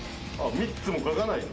３つも描かないの？